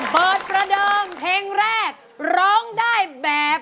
ประเดิมเพลงแรกร้องได้แบบ